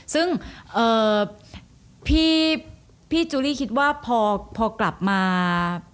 ซึ่งพี่จูรี่คิดว่าพอกลับมา